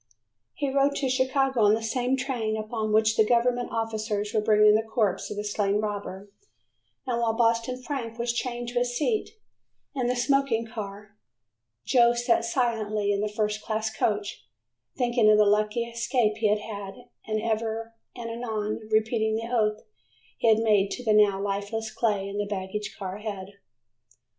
He rode to Chicago on the same train upon which the government officers were bringing the corpse of the slain robber, and while Boston Frank was chained to a seat in the smoking car, Joe sat silently in the first class coach, thinking of the lucky escape he had had and ever and anon repeating the oath he had made to the now lifeless clay in the baggage car ahead.